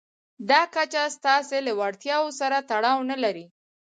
دا کچه ستاسې له وړتیاوو سره تړاو نه لري.